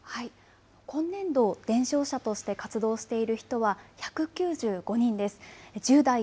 今年度、伝承者として活動している人は１９５人です。